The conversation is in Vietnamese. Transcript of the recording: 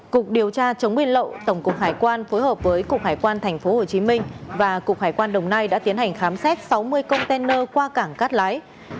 cục điều tra chống biên lậu tổng cục hải quan phối hợp với cục hải quan tp hcm và cục hải quan đồng nai đã tiến hành khám xét sáu mươi container qua cảng cát lái